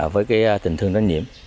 với tình thương đánh nhiễm